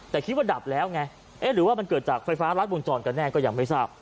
แต่คิดว่าดับแล้วไงเอ๊ะหรือว่ามันเกิดจากไฟฟ้ารัดวงจรกันแน่ก็ยังไม่ทราบ